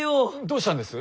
どうしたんです？